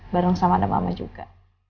bareng sama ada mama juga